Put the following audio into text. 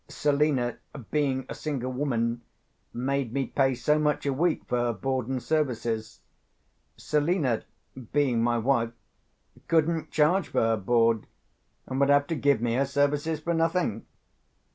Selina, being a single woman, made me pay so much a week for her board and services. Selina, being my wife, couldn't charge for her board, and would have to give me her services for nothing.